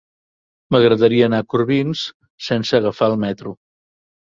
M'agradaria anar a Corbins sense agafar el metro.